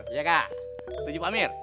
ya kak setuju pak amir